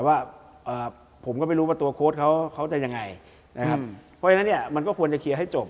ว่าผมก็ไม่รู้ว่าตัวโค้ดเขาเขาจะยังไงนะครับเพราะฉะนั้นเนี่ยมันก็ควรจะเคลียร์ให้จบ